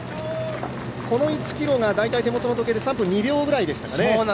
この１ｋｍが大体３分２秒ぐらいでしたかね。